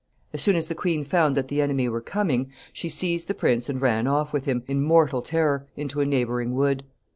As soon as the queen found that the enemy were coming, she seized the prince and ran off with him, in mortal terror, into a neighboring wood.